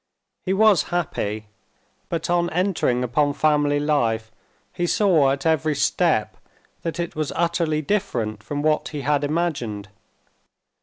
He was happy; but on entering upon family life he saw at every step that it was utterly different from what he had imagined.